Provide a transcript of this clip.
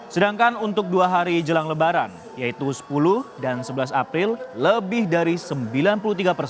sedangkan untuk dua hari jelang lebaran yaitu sepuluh dan sebelas april lebih dari sembilan puluh tiga persen atau empat puluh enam tiket terjual